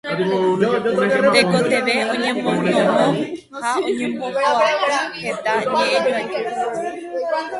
tekotevẽ oñemono'õ ha oñembohyapu heta ñe'ẽjoaju.